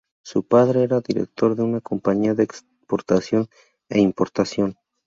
Su padre era director de una compañía de exportación e importación.